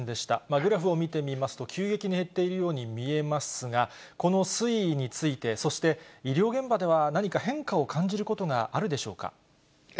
グラフを見てみますと、急激に減っているように見えますが、この推移について、そして、医療現場では何か変化を感じることがあるでしょうか。